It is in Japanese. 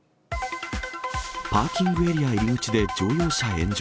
パーキングエリア入り口で乗用車炎上。